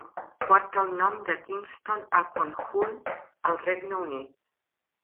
Porta el nom de Kingston upon Hull al Regne Unit.